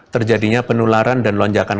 terjadinya penularan dan lonjakan